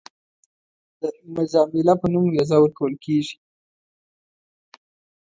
د مجامله په نوم ویزه ورکول کېږي.